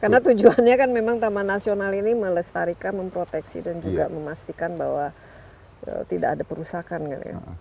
karena itu kan memang taman nasional ini melestarikan memproteksi dan juga memastikan bahwa tidak ada perusakan kan ya